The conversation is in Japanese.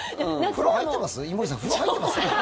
風呂入ってます？